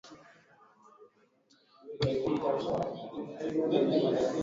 sasa unajua serikali nayo shinda ya serikali ni kwamba haioni matatizo ambao